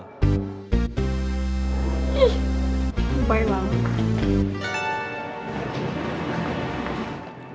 ih lupain banget